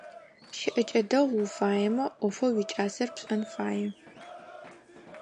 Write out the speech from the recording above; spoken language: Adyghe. Щыӏэкӏэ дэгъу уфаемэ, ӏофэу уикӏасэр пшэн фае.